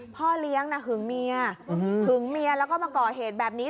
พ่อเลี้ยงน่ะหึงเมียหึงเมียแล้วก็มาก่อเหตุแบบนี้